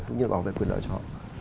cũng như là bảo vệ quyền lợi cho họ